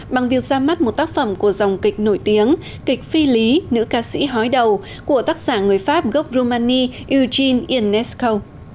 bằng việc ra mắt một tác phẩm của dòng kịch nổi tiếng kịch phi lý nữ ca sĩ hói đầu của tác giả người pháp gốc rumani uchin inesco